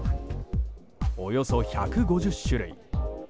およそ１５０種類。